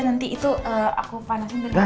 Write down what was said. nanti itu aku panasin